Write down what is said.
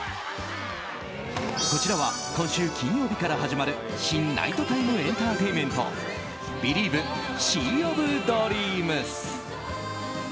こちらは今週金曜日から始まる新ナイトタイムエンターテインメント「ビリーヴ！シー・オブ・ドリームス」。